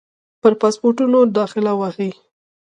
پر پاسپورټونو داخله وهي.